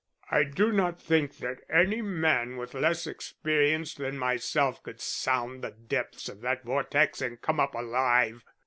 I do not think that any man with less experience than myself could sound the depths of that vortex and come up alive.